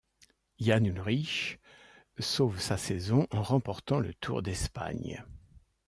Jan Ullrich sauve sa saison en remportant le Tour d'Espagne.